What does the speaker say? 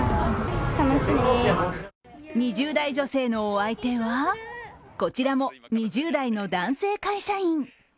２０代女性のお相手はこちらも２０代の男性会社員。